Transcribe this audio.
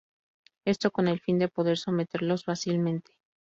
Esto con el fin de poder someterlos fácilmente.